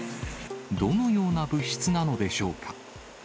どのような物質なのでしょうか。